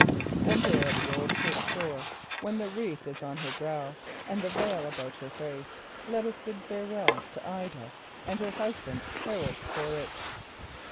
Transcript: And there at the old church door, when the wreath is on her brow and the veil about her face, let us bid farewell to Ida and her husband, Harold Quaritch.